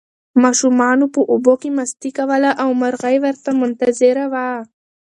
ماشومانو په اوبو کې مستي کوله او مرغۍ ورته منتظره وه.